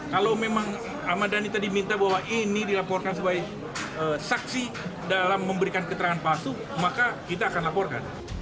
kalau memang ahmad dhani tadi minta bahwa ini dilaporkan sebagai saksi dalam memberikan keterangan palsu maka kita akan laporkan